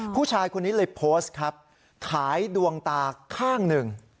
ผู้ชายคนนี้เลยโพสต์ครับขายดวงตาข้างหนึ่ง